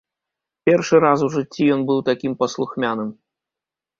Першы раз у жыцці ён быў такім паслухмяным.